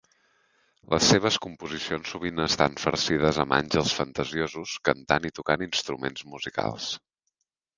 Les seves composicions sovint estan farcides amb àngels fantasiosos, cantant i tocant instruments musicals.